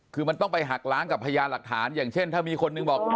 คือมันต้องไปหักล้างกับพยานหลักฐานอย่างเช่นถ้ามีคนหนึ่งบอก